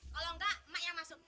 kalau enggak emak yang masuk